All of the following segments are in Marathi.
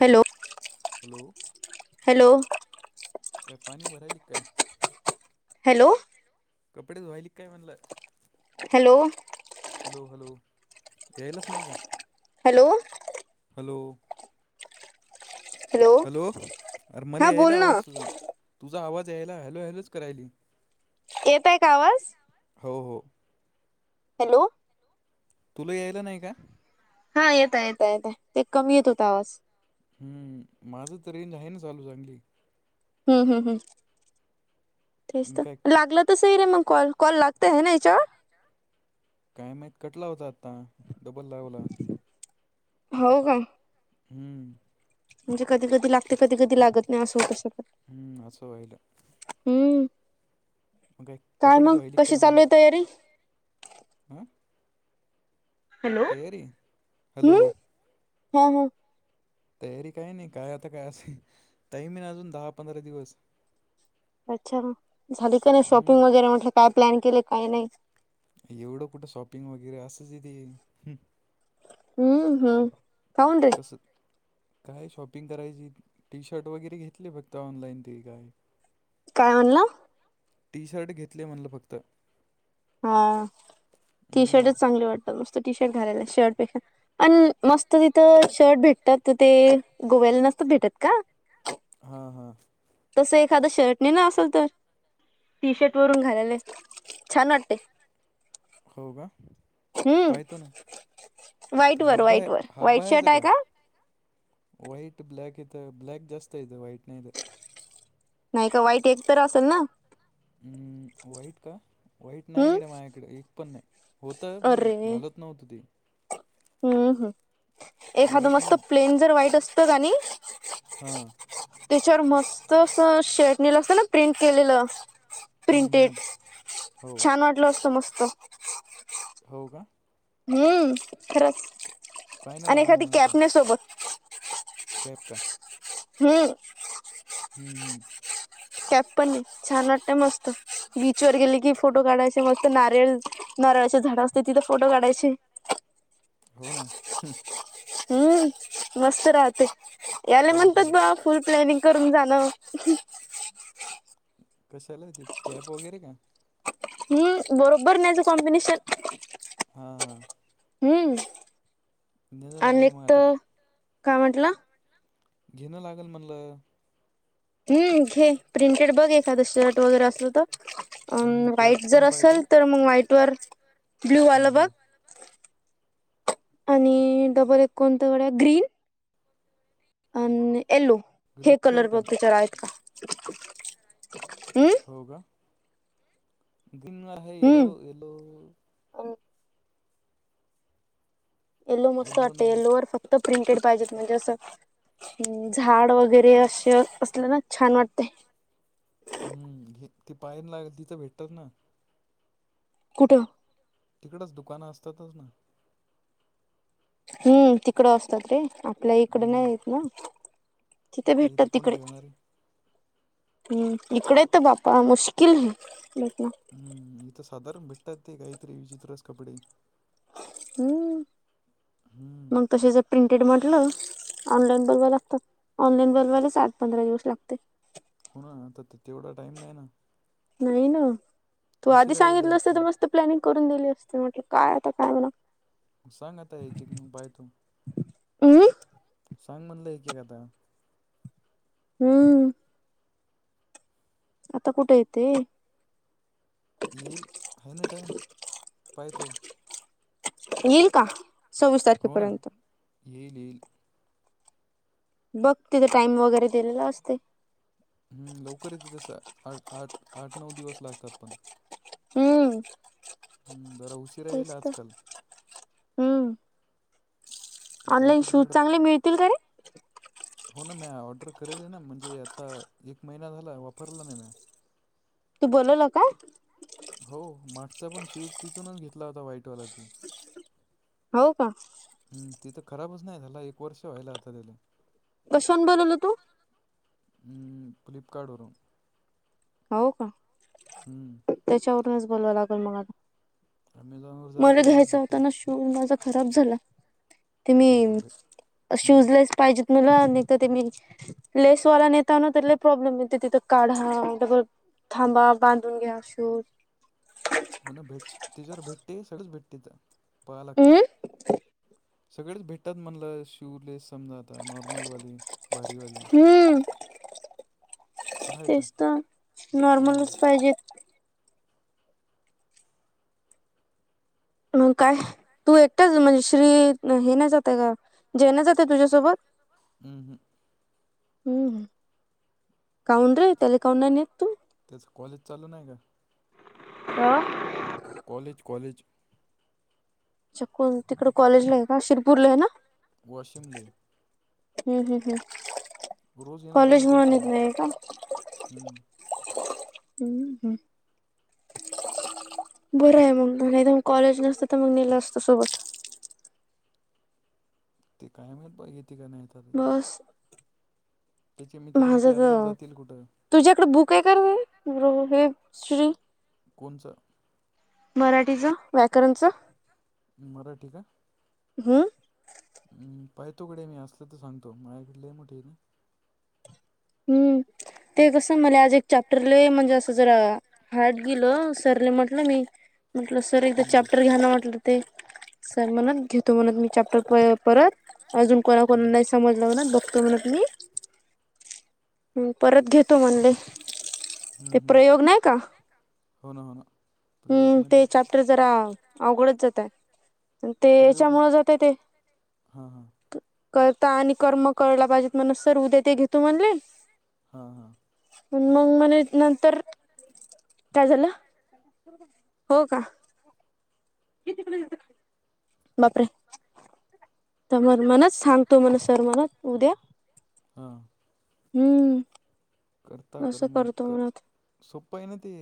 हॅलो हॅलो हॅलो काय पाणी भराहिली काय हॅलो कपडेस झालीिक काय म्हणलंला हॅलो हॅलो हॅलो घयलाच नाही का हॅलो हॅलो हॅलो अर्मल हा बोल अईला ना आवाजतझ तुझा आवाज यायला हॅलो हॅलोच करायली येतय का आवाज हो हो हॅलो तुला यायला नाही का हा येत येत येत आहे ते कमी येत होता आवाज हम्म माझं तर रेंज आहे ना चालू चांगली हम्म हम्म हम् तेच मग तर काय लागलं स रे मग कॉल कॉल लागत आहे ना याच्या कायमत कटला होता आता डबल लावला हो का हम्म म्हणजे कधी कधी लागते कधी कधी लागत नाही असं होतं शगत हम्म असं वाहिलं हम्म मग काय कपडे मग धुवायली कशी चालू आहे तयारी हम हॅलो हॅलो हम् हा हा तयारी काय नाही काय आता काय असे तही मी ना अजून दहा पंधरा दिवस अच्छा झाली का नाही हम्म शॉपिंग वगैरे म्हटलं काय प्लॅन केले काय नाही एवढं कुठं शॉपिंग वगैरे असंच आहेथे हम्म हा कसक काय शॉपिंग करायची टी शर्ट वगैरे घेतले फक्त ऑनलाईन ते काय काय म्हणलं टी शर्ट घेतले म्हणलं फक्त हा टी हम्म शर्टच चांगले वाटतात मस्त टी शर्ट घालायला शर्टपेक्षा आणि मस्त तिथं शर्ट भेटतात त ते गोव्याला नसत भेटत का हा हां तसं एखाद शर्ट नाही ना असल तर टी शर्ट वरून घालेले छान वाट ते हो का पाहतो ना व्हाईट ते वर हब्बा आहे व्हाईट वर व्हाईट हब्बा आहे शर्ट जग का वईट ब्लॅक इथ ब्ललाॅक जास्त े वईट न इे नाही का वाईट एक तर असेल ना अम् वाईट का वाईट हम्म नाहीकडे माझ्याकडे एक पण नाही होत मी अरे घालत. शत् नव होत ते. हम्म ह् एखादं व्हाईट मस्त नाही प्लेन जर वाईट असत का नाही. हा. त्याच्यावर मस्त अस शेड निल असत ना प्रिंट केलेलं. हम्म, प्रिंटेड हम्म. हो छान वाटलं असतं मस्त. हो का. हम्म खरंच पाय ना आणि एखादी कॅपन सोबत. खप का. हा हम्म हम् कॅप पण छान वाटत मस्त बीचवर गेली की फोटो काढायचे मस्त नारळ. नारळचे झाड असते तिथे फोटो काढायचे. हो ना. हम्म मस्त राहते याला काढू म्हणतात काढू बा फुल प्लॅनिंग करून जाणं. कशाला ते कॅप वगैरे का. ही बरोबर नाहीच कॉम्बिनेशन. हां हां हम्म नेणं लागेल मग आणिकत आता काय म्हटलं. घेणं लागेल म्हणलं. हम् घ हे प्रिंटेड बघ एखादं शर्ट वगैरे असलं तर. अ हम्म, कॅप व्हाईट जर पण पाहतो असेल तर मग व्हाईट वर ब्ल्यू हां आलं हां बघ. आणि डबल एक कोणत्या वड्या ग्रीन. आणि येलो ग्रीन हे कलर शर्ट बघच आहेत का ह्. हो का ग्रीन आहे येलो हम्म यलो. येलो मस्त वाटत येल्लो वर फक्त प्रिंटेड पाहिजेत म्हणजे असं. ह् झाड वगैरे असे असल्या ना छान वाटतय. हम् घ ती पायन लागेल तिथं भेटतात ना. कुठं. तिकडच दुकानं असतातच ना. हम्म तीिकड व असस्तात र्री. आपल्या इकड हम्म नाही येत ना तिथे आपल्या भेटतात इथं कोण तिकडे. ठेवणार आहे हम्म इकडे तर बापा मुश्किल आहे ब. हम्म इथं साधारण भेटतात ते काहीतरी विचित्रस कपडे. हम्म हम्म मग तसेच प्रिंटेड म्हटलं ऑनलाईन बोलवावय लागतं ऑनलाईन बोलवायला सठ पंधरा दिवस लागते. हो ना तर तिथ तेवढा टाइम नाही ना. नाही ना तू आधी उशिरा यायला सांगितलं असत एक तर मस्त. प्लॅनिंग करून दिली असते म्हटलं काय आता काय बणा. सांग आता एक एक मग बाय तू हम्म सांग म्हणलं एकक आता. हम्म आता कुठे येते. येल हना टाम पतो. येईल का सव्वीस तारखेपर्यंत. येणे. बघ तिथ टाइम वगैरे दिलेला असते. हम् लवकर य त तस आठ आठ आठ नऊ दिवस लागतात पण. हम्म हम् जरा उशीिरा येईल तेच तर आजकाल. हम्म. ते ऑनलाईन काहीतरी शूज तिकडं चांगले मिळतील का रे हो ना मी ऑर्डर करेल आहे ना म्हणजे आता एक महिना झाला वापरला नाही मी. तू बोलवल काय? हो मागचा पण शूज तिथूनच घेतला होता व्हाईटवाला. हो का. हम् ते तर खराबच नाही झाला एक वर्ष व्हायला आता त्याला. कशाहुन बोलवल तू? फ्लिपकार्टवरून. हो का. हम्म. त्याच्यावरूनच बोलवा लागेल मग. अमेझॉनवर मला जरासं महाग घ्यायचा होता भेटते ना शू माझा खराब झाला. ते हो का मी भेट हम्म. शूजलेस पाहिजेत मला तर ते मी लेसवाला नेताव तर लय प्रॉब्लेम येते तिथं काढा डबल थांबा. बांधून घ्या शूज हो ना भेट तिच्यावर भेटते सगळच भेटते तर. पहा लागतात. हम्म सगळेच भेटतात म्हणल शूलेस समजा आता नॉर्मलवाले, भारीवाले. हम्म पाहायचं तेच तर हम्म, नॉर्मलच पाहिजेत. मग काय तू एकटाच म्हणजे श्री हे नाही जाताय का जय नाही जात आहे तुझ्यासोबत? हम्म. हम्म. काउंन रे त्याला काउंन नाही नेत तू? त्याचं कॉलेज चालू नाही का कॉलेज कॉलेज शिरपुर तिकड कॉलेजला आहे का शिरपूरला आहे ना. वाशिमले हम्म हम्म हम् रोज कॉलेज मुळ नेत नाही का? हं. हम्म हम्म. बरं आहे मग त तर मग कॉलेज नसत तर मग नेलं असतं सोबत. ते काय माहीत बघेती काय नाही. आता ते. बस त्याचे मित्रं ते माझं अल्लग तर जातील कुठं तुझ्याकडे बुक आहे का रे हे श्री कोणचं? मराठीचं व्याकरणचं. मराठी का? [unintelligible] पाहि तोकडे मी असलं तर सांगतो मझ्याकडे लय मोठे आहे ते. हम्म ते कसं मला आज एक चॅप्टरले म्हणजे असं जरा हार्ड गिलो सरने म्हटलं मी म्हटलं सर एकदा हम्म. चॅप्टर घ्या ना म्हटलं. ते सर म्हणत घेतो म्हणत मी चॅप्टर परत अजून कोणा कोणा नाही समजला म्हणत बघत म्हणत मी ह् परत घेतो म्हणले ते प्रयोग नाही का. हां हां प्रयोग हम्म ते चॅप्टर जरा अवघडच जात आहे. ते प्रयोग म- हेच्यामुळ जाते ते हां हां कर्ता आणि कर्म कळल पाहिजेत म्हण सर उद्या ते घेतो म्हणले. हां हां. मग म्हणे नंतर काय झालं हो का किती [unintelligible] बापरे! तर मग मनच सांगतो मण सर मला उद्या हां. हम्म. करता कर असं म करतो कर म्हणत सोप्पं आहे ना ते.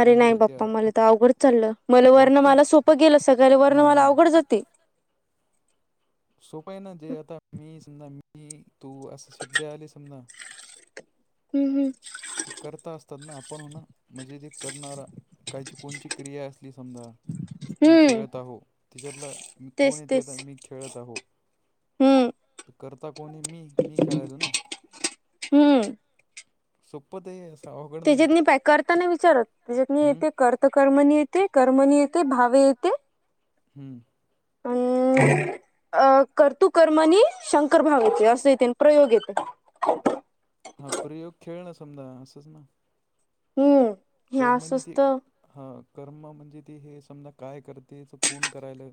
अरे नाही म्हणजे बाप्पा त्या मला तर अवघड चाललं मला वर्ण वाक्या माला सोपं गेलं सकाळी वर्ण हां माला हां अवघड जाते? सोप आहे ना जे आता मी समजा मी तू असं शब्द आले समजा हम् हम्. ते करता असतात ना आपण हो ना मजे ते करणारा काहीची कोणची क्रिया असली समजा मी हम्म खेळत आहो त्याच्यातला मी कोण तेच येते तेच आता मी खेळत आहो हम्म तर करता कोणी मी मी खेळायल ना. हम्म. सोपदे अस अवघड नाही त्याच्यात मी प करताना विचारत त्याच्यात मी हम्म ते कर कर्मणी येते कर्मणी येते भावे येते. हम्म. अं अ करतु कर्म आणि शंकर भावाचे असं येते प्रयोग येते. हा प्रयोग खेळ ना समजा असंच ना. हम्म. हे कर्मनी असंच ते तर हा कर्म म्हणजे ते हे समजा काय करतेच कोण करायला.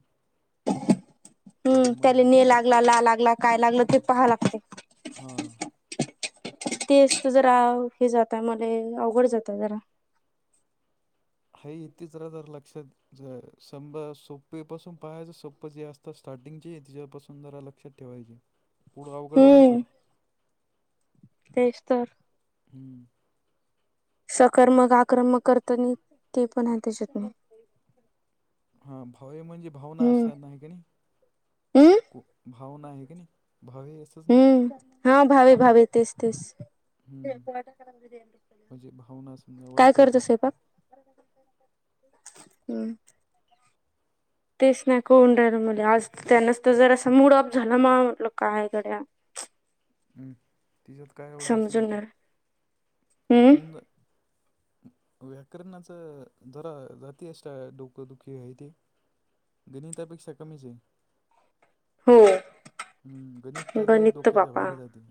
हम्म त्याला कर्मणी ने लागला ला लागला काय लागलं ते पहा लागते. हां. ते असत जरा हे जाता मले अवघड जाता जरा. ह इतीेचरा ज लक्षात स सोप्पेपासून पाहायच सोप्पं जे असत आता स्टार्टिंगची आहे तिच्यापासून जरा लक्षात ठेवायची. पुढ रावकडे वाढतात हम्म तेच तर हम्म. सकर्मक आक्रमक करत नाही ते पण आहे त्याच्यात नाही हा भाव म्हणजे भावना हम्म असा नाही क नाही. हम्म भाव नाही आहे की नाही भावे अस हम्म हा भावे भावे तेच तेच हम्म म्हणजे भावना समजा काय करत ओळखायच्या ना स्वयंपाक हम्म. तेच नाही कोण राहिलं मुले आज त्यांनाच तर जर असा मूड अप झाला म म्हटलं काय गड्या. हम् तिच्यात काय एवढं असं ना ठीक समजूनणार हम्म होऊन जाय व्याकरणाच जरा जाती [unintelligible] डोकंदुखी आहे ते गणितापेक्षा कमीच आहे. हो हम्म गणित त्याल्या गणित डोक्याच्या बापा बाहेर जाते.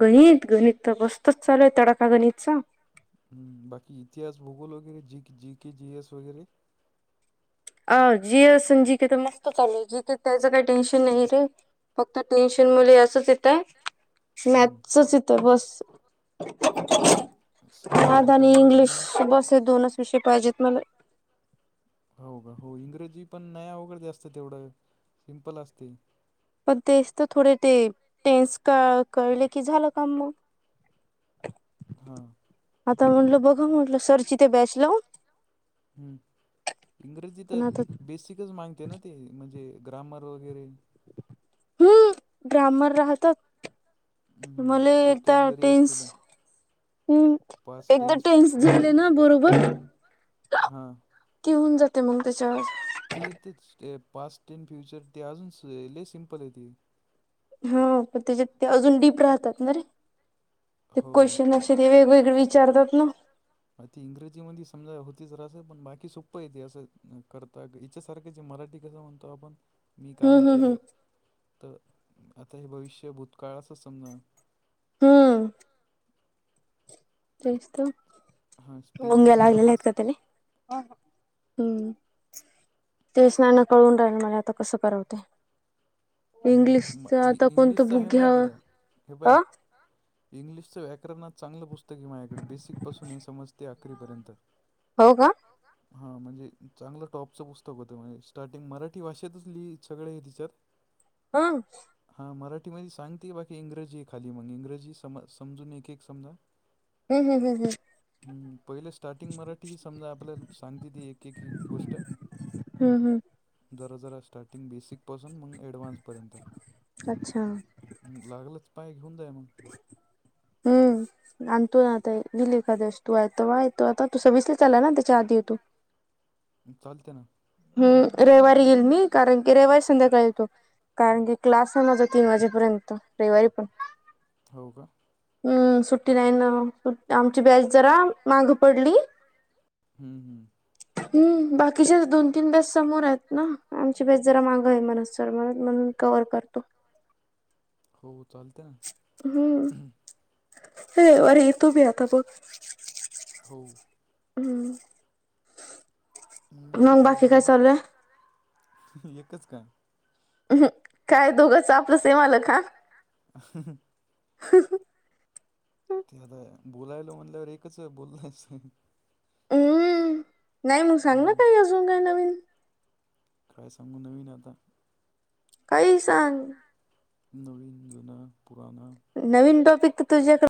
गणित गणित तर बस्तच चालू आहे तडाका गणितचा. बाकी इतिहास भूगोल वगैरे जीके जि जी एस वगैरे अ जी एस अन जीके तर मस्त चालू जीके त्याचं काही टेन्शन नाही रे फक्त टेन्शन मले असच येतंय हम्म, मॅथ्सच येत तर बस स- हे काय आधनी आहे यातलं इंग्लिश नावाच बस दोनच विषय पाहिजेत मले हो का हो इंग्रजी पण नाय अवघड जास्त तेवढं सिम्पल असते. पण तेच तर थोडे ते टेन्स कळले की झालं का मग? हा. आता म्हटलं बघा म्हटलं सर जिथे बॅच लावन. हम् इंग्रजी पण तर आता बे बेसिकच मागते ना ते म्हणजे ग्रामर वगैरे. हम्म ग्रामर राहतात मला एकदा ओकॅबलरी टेन्स. असतील हम् एकदा टेन्स झाले ना बरोबर. हां ती होऊन जात मग तेच्यावर. ती तर पास्ट एन फ्युचर ते अजून लय सिंपल आहे ते. हा पण त्याच्या ते अजून डीप राहतात ना रे ते क्वेशन अस ते वेगवेगळे. विचारतात ना. ती इंग्रजी मध्ये समजा होतीचं पण बाकी सोप्प येते असं करता. पच्या सारखी आहे मराठी कस म्हणतो आपण. मी काम हम्म हम्म हम्म केलं तर आता हे भविष्य भूतकाळचं समजा. हम्म तेच तर हां मुंग्या स्पेलिंग बरोबर लागलेला स- का तेले. हम्म तेच ना ना कळून राहिल मला आता कसं करवते. हम्म इंग्लिशच बुक आहे घ्यावं माझ्याकडं हे बाय. अ इंग्लिशचं व्याकरणात चांगलं पुस्तक हे माझकडे बेसिक पासून हे समजते अकरीपर्यंत. हो का हो का हा म्हणजे चांगलं टॉपचं पुस्तक होतं म्हणजे स्टार्टिंग मराठी भाषेतच लिह सगळ हे तिच्यात हा. हा मराठीमध्ये सांगते बाकी इंग्रजी आहे खाली मग इंग्रजी सम समजून एक एक समजा. [unintelligible] हम हम हम हम हम् पहिले स्टार्टिंग मराठी ह समजा आपल्याला सांगते ती एक. गोष्ट हम्म हम्म जरा जरा स्टार्टिंग बेसिक पासून मग ऍडव्हान्स. पर्यंत अच्छा लागलच पाय घेऊन जाय मग. हम्म आणतो ना आता गेली एखाद्या वेळेस तू हाय तो आता तू सविस्र. चला ना त्याच्या आधी येतु. चालते ना. हम् रविवारी येईल मी कारण की रविवारी संध्याकाळी येतो. कारण की क्लास आहे ना माझा तीन वाजेपर्यंत रविवारी पण. हो का. हम् सुट्टी नाही ना. आमची बॅच जरा माग पडली. हम्म, हम्म. हम्म बाकीच्याच दोन तीन बॅस समोर आहेत ना आमची बॅस जरा मागं आहे मनस सर म्हण म्हणून कवर करतो. हो चालत ना. हम्म अ वर इ तू बी आता बो. हो हम्म म बाकी काय चालू एकच काय. हम् काय दोघंच आपलं सेम आलं का. अ ह [unintelligible] ते आता बोलायल म्हटल्यावर एकच बोललायचं. हम्म नाही मग सांग ना हम्म, काही अजून काय नवीन. काय सांगू नवीन आता. काही सांग नोवीन जना पुराणा. नवीन टॉपिक तर तुझ्याकड